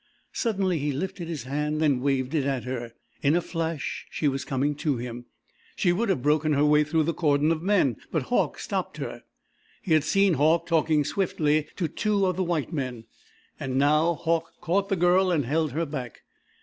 Suddenly he lifted his hand and waved it at her. In a flash she was coming to him. She would have broken her way through the cordon of men, but Hauck stopped her. He had seen Hauck talking swiftly to two of the white men. And now Hauck caught the girl and held her back.